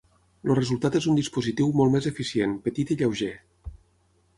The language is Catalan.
El resultat és un dispositiu molt més eficient, petit i lleuger.